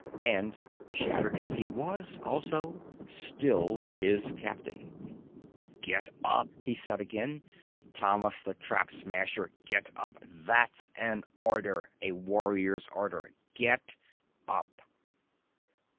And, shattered as he was, also still his captain. "Get up!" he said again. "Thomas the Trap Smasher, get up! That's an order, a warrior's order. Get up!"